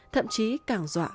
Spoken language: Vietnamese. thậm chí càng dọa